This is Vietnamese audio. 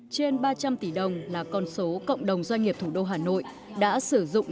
trên ba trăm linh tỷ đồng là con số cộng đồng doanh nghiệp thủ đô hà nội đã sử dụng